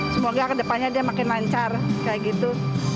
semoga ke depannya dia makin lancar kayak gitu